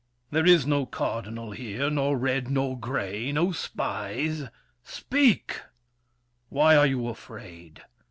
There is no cardinal here, nor red, nor gray! No spies! Speak! Why are you afraid?